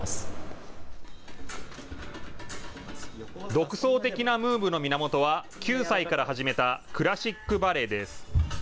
独創的なムーブの源は９歳から始めたクラシックバレエです。